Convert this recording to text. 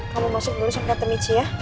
kamu masuk dulu sempratamichi ya